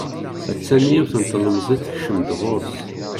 A-tt-an yiwet n tlemẓit tekcem-d ɣur-s.